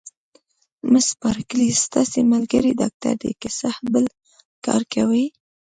مس بارکلي: ستاسي ملګری ډاکټر دی، که څه بل کار کوي؟